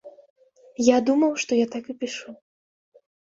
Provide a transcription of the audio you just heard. Я думаў, што я так і пішу.